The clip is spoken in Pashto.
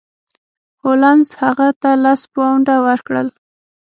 هولمز هغه ته لس پونډه ورکړل.